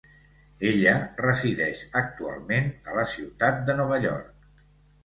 Ella resideix actualment a la ciutat de Nova York.